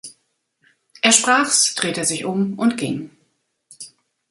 Er sprachs, drehte sich um und ging.